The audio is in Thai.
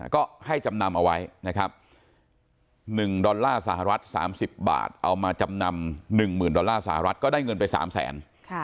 ก็ให้จำนำเอาไว้นะครับ๑ดอลลาร์สหรัฐ๓๐บาทเอามาจำนำ๑๐๐๐ดอลลาร์สหรัฐก็ได้เงินไป๓แสน